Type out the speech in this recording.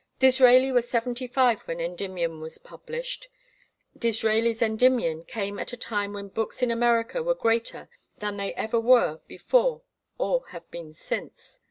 Disraeli was seventy five when "Endymion" was published. Disraeli's "Endymion" came at a time when books in America were greater than they ever were before or have been since.